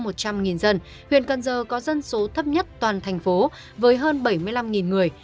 trên một trăm linh dân huyện cần giờ có dân số thấp nhất toàn thành phố với hơn bảy mươi năm người